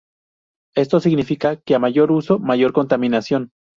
Esto significa que a mayor uso mayor contaminación.